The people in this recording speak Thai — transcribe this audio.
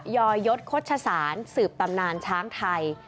ยอยศโฆษศาลสืบตำนานช้างไทย